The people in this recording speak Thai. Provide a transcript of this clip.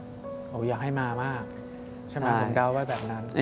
บ๊วยบ๊วยอยากให้มามากใช่ไหมผมเกล้าว่าแบบนั้น